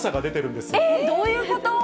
どういうこと？